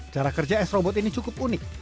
cara kerja s robot ini cukup unik